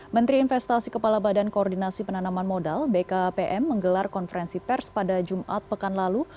menteri investasi kepala badan koordinasi penanaman modal bkpm menggelar konferensi pers pada jumat pekan lalu